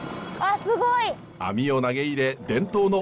すごい！